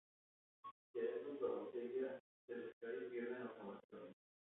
Si a estos la botella se les cae pierden automáticamente.